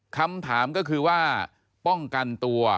คำถามก็คือว่าป้องกันตัว